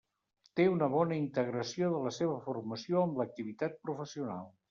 Té una bona integració de la seva formació amb l'activitat professional.